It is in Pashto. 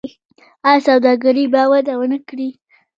آیا سوداګري به وده ونه کړي؟